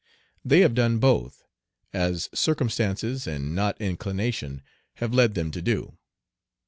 They have done both, as circumstances and not inclination have led them to do.